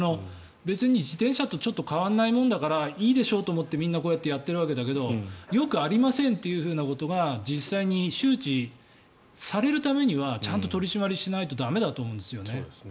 別に自転車とちょっと変わるもんだからいいでしょと思ってみんなこうやってやっているわけだけどよくありませんということが実際に周知されるためにはちゃんと取り締まりしないと駄目だと思うんですよね。